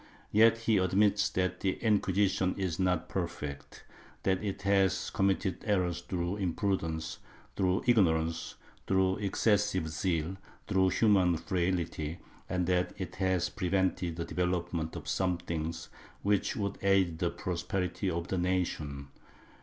Yet he admits that the Inquisition is not perfect — that it has com mitted errors through imprudence, through ignorance, through excessive zeal, and through human frailty, and that it has pre vented the development of some things which would aid the prosperity of the nation.